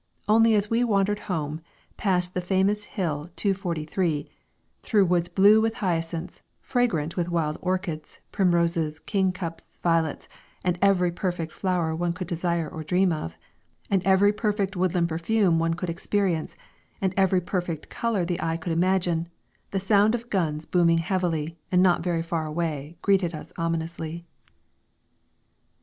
Only as we wandered home past the famous Hill 243, through woods blue with hyacinths, fragrant with wild orchids, primroses, kingcups, violets and every perfect flower one could desire or dream of, and every perfect woodland perfume one could experience, and every perfect colour the eye could imagine, the sound of guns booming heavily and not very far away greeted us ominously.